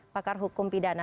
pakar hukum pidana